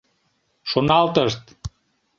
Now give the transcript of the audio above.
Шоналтышт.